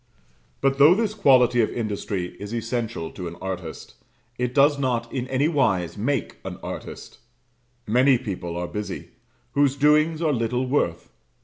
But though this quality of industry is essential to an artist, it does not in anywise make an artist; many people are busy, whose doings are little worth.